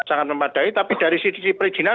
sangat memadai tapi dari sisi sisi perizinan